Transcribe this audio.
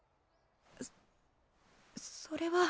そそれは。